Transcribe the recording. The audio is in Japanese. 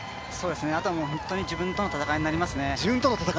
あとは本当に自分との戦いになりますね。